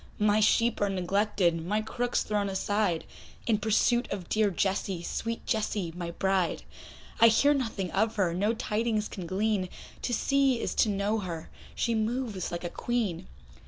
My sheep are neglected, my crook's thrown aside, In pursuit of dear Jessie, sweet Jessie, my bride; I hear nothing of her, no tidings can glean, To see is to know her, she moves like a Queen.